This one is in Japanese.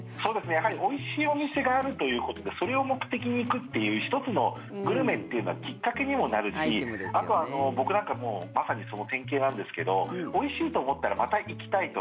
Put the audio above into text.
やはりおいしいお店があるということでそれを目的に行くっていう１つの、グルメっていうのはきっかけにもなるしあと、僕なんかもうまさにその典型なんですけどおいしいと思ったらまた行きたいと。